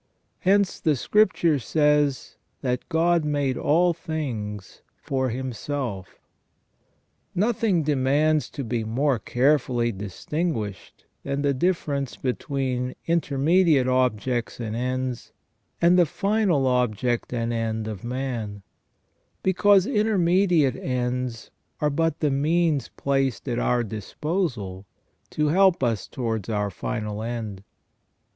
Hence the Scripture says that "God made all things for himself". Nothing demands to be more carefully distinguished than the difference between intermediate objects and ends, and the final object and end of man ; because intermediate ends are but the means placed at our disposal to help us towards our final end.